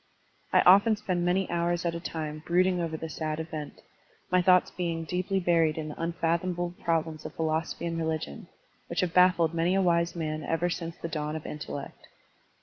I often spend many hours at a time brooding over the sad event, my thoughts being deeply buried in the tmfathomable prob lems of philosophy and religion, which have baffled many a wise man ever since the dawn of intellect.